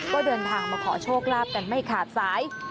ก็เดินทางมาขอโชคลาภกันไม่ขาดสาย